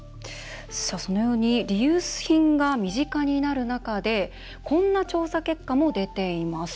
そのようにリユース品が身近になる中でこんな調査結果も出ています。